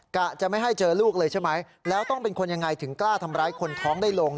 กะจะไม่ให้เจอลูกเลยใช่ไหมแล้วต้องเป็นคนยังไงถึงกล้าทำร้ายคนท้องได้ลง